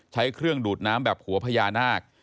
ใช้เครื่องดูดน้ำแบบหัวพญานาค